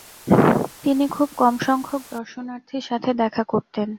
তিনি খুব কমসংখ্যক দর্শনার্থীর সাথে দেখা করতেন।